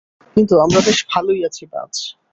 কিন্তু আমরা বেশ ভালোই আছি, বায।